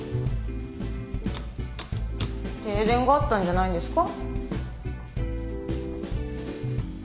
停電があったんじゃないんですか？